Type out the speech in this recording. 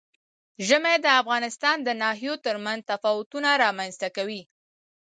ژمی د افغانستان د ناحیو ترمنځ تفاوتونه رامنځ ته کوي.